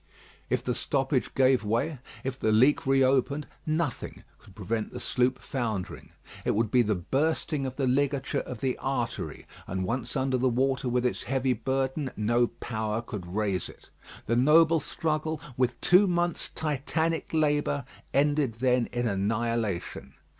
If the stoppage gave way, if the leak re opened, nothing could prevent the sloop foundering. It would be the bursting of the ligature of the artery; and once under the water with its heavy burden, no power could raise it. The noble struggle, with two months' Titanic labour, ended then in annihilation.